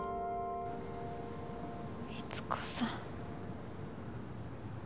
三津子さん。